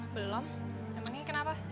belum emang ini kenapa